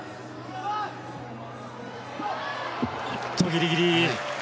ギリギリ。